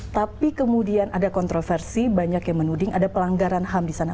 tapi kemudian ada kontroversi banyak yang menuding ada pelanggaran ham di sana